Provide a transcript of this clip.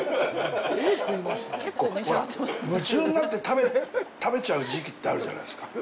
こう、ほら、夢中になって食べちゃう時期ってあるじゃないですか。